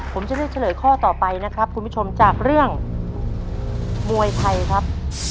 ผมจะเลือกเฉลยข้อต่อไปนะครับ